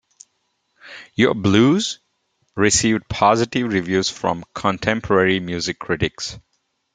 "Your Blues" received positive reviews from contemporary music critics.